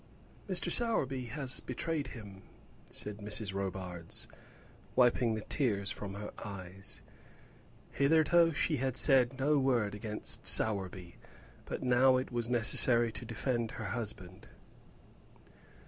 "Mr. Sowerby has betrayed him," said Mrs. Robarts, wiping the tears from her eyes. Hitherto she had said no word against Sowerby, but now it was necessary to defend her husband.